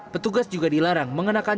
petugas juga dilarang mengenakan